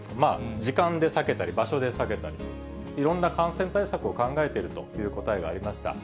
時間で避けたり、場所で避けたり、いろんな感染対策を考えているという答えがありました。